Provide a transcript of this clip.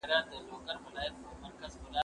زه هره ورځ سبزیجات جمع کوم